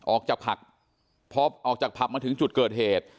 ออกจากผับพอออกจากผับมาถึงจุดเกิดเหตุ